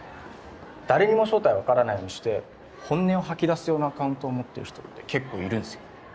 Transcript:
誰にも正体を分からないようにして本音を吐き出す用のアカウントを持ってる人って結構いるんすよ。